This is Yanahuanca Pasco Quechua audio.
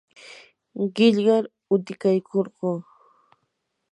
qillqar utikaykurquu.